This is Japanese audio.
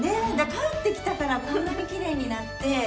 帰ってきたからこんなにきれいになって。